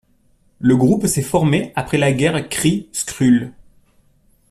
Le groupe s'est formé après la guerre Kree-Skrull.